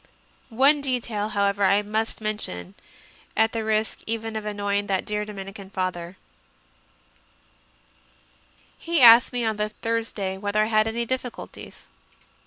One detail, however, I must mention, at the risk even of annoying that dear Dominican Father. He asked CONFESSIONS OF A CONVERT 131 me on the Thursday whether I had any difficulties.